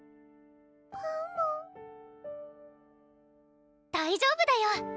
パム大丈夫だよ！